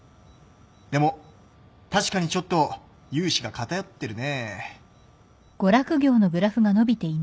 でも確かにちょっと融資が偏ってるね。